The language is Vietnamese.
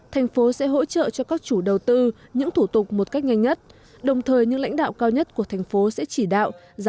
thành phố sẽ hỗ trợ cho các chủ đầu tư những thủ tục một cách nhanh nhất đồng thời những lãnh đạo cao nhất của thành phố sẽ chỉ đạo giám sát nghiêm minh để bảo đảm tiến độ của dự án